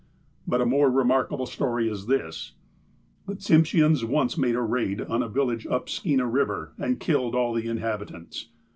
But a more remarkable story is this : ''The Tsimsheans once made a raid on a village up Skeena Eiver, and killed all the inhabitants.